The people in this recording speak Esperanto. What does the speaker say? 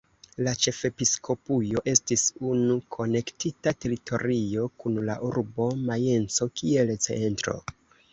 La "ĉefepiskopujo" estis unu konektita teritorio kun la urbo Majenco kiel centro.